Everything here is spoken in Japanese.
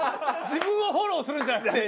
自分をフォローするんじゃなくて？